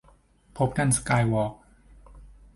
พบกัน สกายวอล์ค